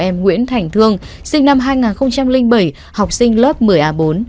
em nguyễn thành thương sinh năm hai nghìn bảy học sinh lớp một mươi a bốn